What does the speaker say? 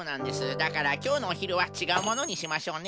だからきょうのおひるはちがうものにしましょうね。